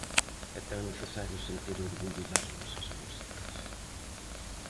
É tan necesario sentir orgullo das nosas músicas.